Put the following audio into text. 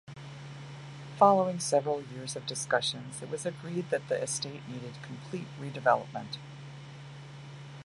Following several years of discussions, it was agreed that the estate needed complete redevelopment.